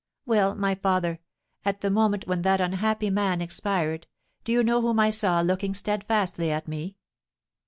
"Well, my father, at the moment when that unhappy man expired, do you know whom I saw looking steadfastly at me?